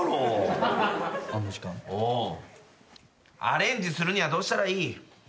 アレンジするにはどうしたらいい？